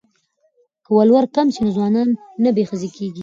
که ولور کم شي نو ځوانان نه بې ښځې کیږي.